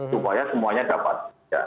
supaya semuanya dapat